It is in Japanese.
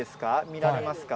見られますか。